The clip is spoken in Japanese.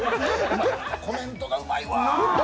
コメントがうまいわ。